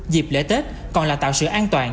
dịp lễ tết còn là tạo sự an toàn